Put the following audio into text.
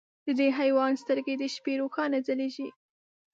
د دې حیوان سترګې د شپې روښانه ځلېږي.